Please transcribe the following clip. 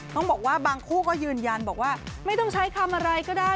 ต้องบอกว่าบางคู่ก็ยืนยันบอกว่าไม่ต้องใช้คำอะไรก็ได้